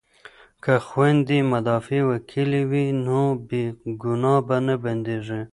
که خویندې مدافع وکیلې وي نو بې ګناه به نه بندیږي.